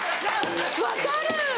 分かる！